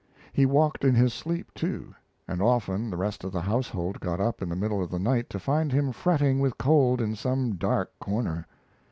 He walked in his sleep, too, and often the rest of the household got up in the middle of the night to find him fretting with cold in some dark corner.